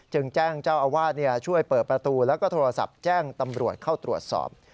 แจ้งเจ้าอาวาสช่วยเปิดประตูแล้วก็โทรศัพท์แจ้งตำรวจเข้าตรวจสอบ